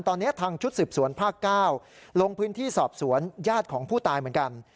ตอนนี้ทางชุดสืบสวนภาค๙ลงพื้นที่สอบสวนญาติของผู้ตายเหมือนกัน